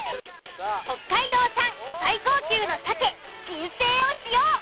北海道産最高級の鮭銀聖を使用。